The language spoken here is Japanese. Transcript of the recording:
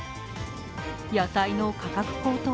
野菜の価格高騰